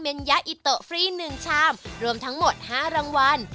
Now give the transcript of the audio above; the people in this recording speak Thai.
ยะอิโตฟรี๑ชามรวมทั้งหมด๕รางวัล